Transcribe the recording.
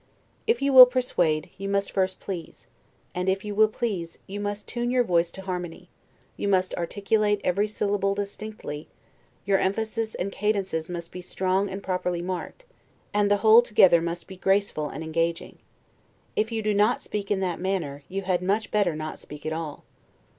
If you will persuade, you must first please; and if you will please, you must tune your voice to harmony, you must articulate every syllable distinctly, your emphasis and cadences must be strongly and properly marked; and the whole together must be graceful and engaging: If you do not speak in that manner, you had much better not speak at all.